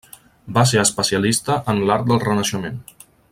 Va ser especialista en l'art del renaixement.